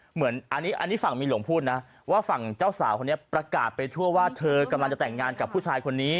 เหมือนอันนี้ฝั่งเมียหลวงพูดนะว่าฝั่งเจ้าสาวคนนี้ประกาศไปทั่วว่าเธอกำลังจะแต่งงานกับผู้ชายคนนี้